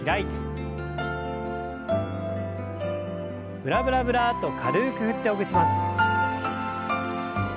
ブラブラブラッと軽く振ってほぐします。